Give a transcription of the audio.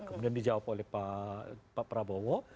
kemudian dijawab oleh pak prabowo